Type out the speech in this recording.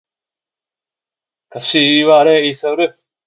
柏レイソル